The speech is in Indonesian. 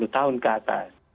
sepuluh tahun ke atas